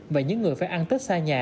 và những người phải ăn tết xa nhà